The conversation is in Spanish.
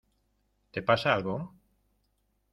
¿ te pasa algo?